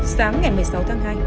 sáng ngày một mươi sáu tháng hai